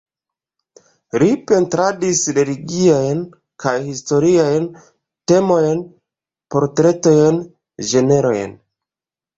Li pentradis religiajn kaj historiajn temojn, portretojn, ĝenrojn.